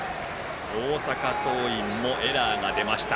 大阪桐蔭もエラーが出ました。